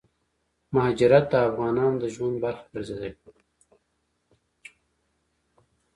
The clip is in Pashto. مهاجرت دافغانانو دژوند برخه ګرځيدلې